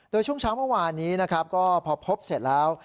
โดยช่วงเช้าเมื่อวานนี้นะครับก็พอพบเสร็จแล้ว